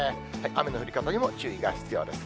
雨の降り方にも注意が必要です。